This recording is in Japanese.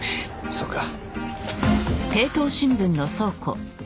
そうか。